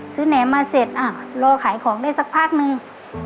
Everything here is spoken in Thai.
แหนมมาเสร็จรอขายของได้สักพักนึง